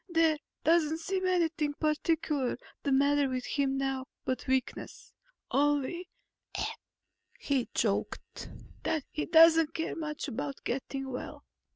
"There doesn't seem anything particular the matter with him now but weakness. Only," he choked, "that he doesn't care much about getting well."